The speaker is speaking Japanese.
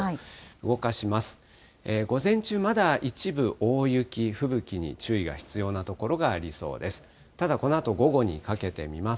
動かします。